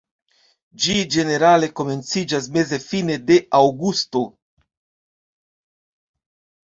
Ĝi ĝenerale komenciĝas meze-fine de aŭgusto.